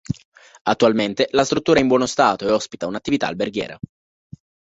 Attualmente la struttura è in buono stato e ospita un'attività alberghiera.